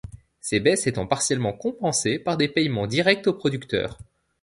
Ces baisses étant partiellement compensées par des paiements directs aux producteurs.